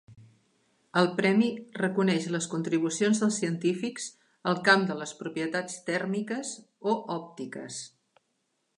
El premi reconeix les contribucions dels científics als camp de les propietats tèrmiques o òptiques.